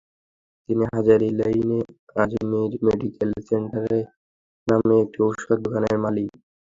তিনি হাজারী লেইনে Ajmer medical store নামে একটি ওষুধের দোকানের মালিক।